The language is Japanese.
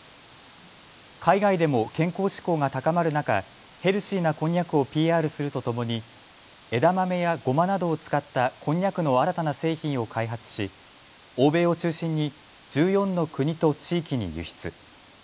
海外でも健康志向が高まる中、ヘルシーなこんにゃくをＰＲするとともに枝豆やゴマなどを使ったこんにゃくの新たな製品を開発し欧米を中心に１４の国と地域に輸出。